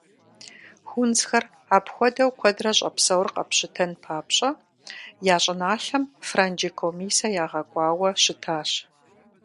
Хунзхэр апхуэдэу куэдрэ щӏэпсэур къапщытэн папщӏэ, я щӏыналъэм франджы комиссэ ягъэкӏуауэ щытащ.